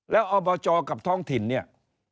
แล้วอบจกับท้องถิ่นเนี่ย